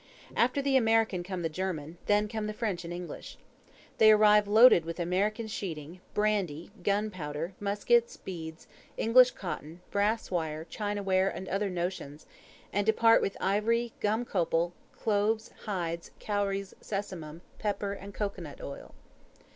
After the American come the German, then come the French and English. They arrive loaded with American sheeting, brandy, gunpowder, muskets, beads, English cottons, brass wire, china ware, and other notions, and depart with ivory, gum copal, cloves, hides, cowries, sesamum, pepper, and cocoa nut oil.